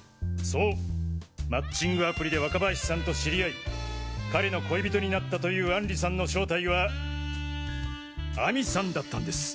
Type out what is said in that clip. そうマッチングアプリで若林さんと知り合い彼の恋人になったというアンリさんの正体は亜美さんだったんです。